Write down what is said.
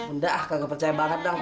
enggak kagak percaya banget